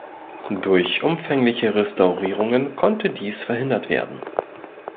Durch umfängliche Restaurierungen konnte dies verhindert werden.